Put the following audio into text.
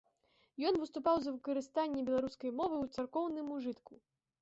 Ён выступаў за выкарыстанне беларускай мовы ў царкоўным ужытку.